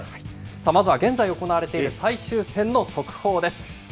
まずは現在、行われている最終戦の速報です。